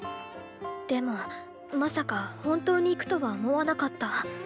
でもまさか本当に行くとは思わなかった。